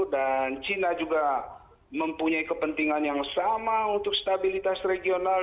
dan cina juga mempunyai kepentingan yang sama untuk stabilitas regional